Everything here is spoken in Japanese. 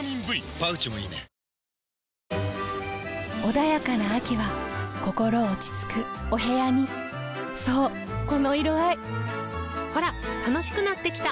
穏やかな秋は心落ち着くお部屋にそうこの色合いほら楽しくなってきた！